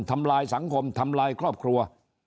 ทำลายสังคมทำลายครอบครัว